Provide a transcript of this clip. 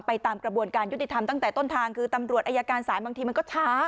ตามกระบวนการยุติธรรมตั้งแต่ต้นทางคือตำรวจอายการสายบางทีมันก็ช้า